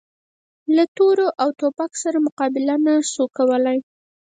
له تورې او توپک سره مقابله نه شو کولای.